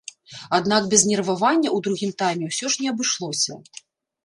Аднак без нервавання ў другім тайме ўсё ж не абышлося.